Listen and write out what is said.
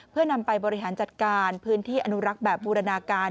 เพื่อนำไปบริหารจัดการพื้นที่อนุรักษ์แบบบูรณาการ